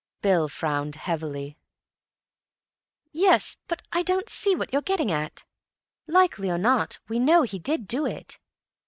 Bill frowned heavily. "Yes, but I don't see what you're getting at. Likely or not likely, we know he did do it."